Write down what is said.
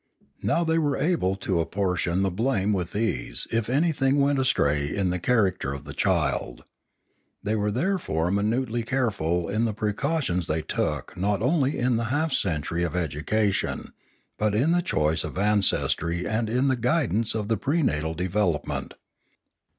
Now they were able to apportion the blame with ease if anything went astray in the character of the child. They were there fore minutely careful in the precautions they took not only in the half century of education, but in the choice of ancestry and in the guidance of the prenatal develop ment.